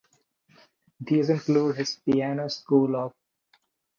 These include his Piano School op.